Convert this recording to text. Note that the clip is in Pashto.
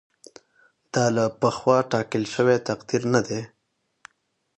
دا له پخوا ټاکل شوی تقدیر نه دی.